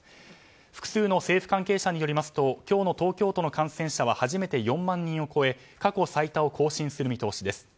複数の政府関係者によりますと今日の東京都の感染者は初めて４万人を超え過去最多を更新する見通しです。